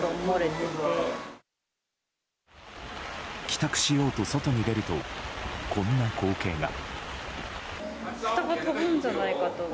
帰宅しようと外に出るとこんな光景が。